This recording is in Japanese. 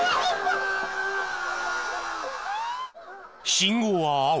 信号は青。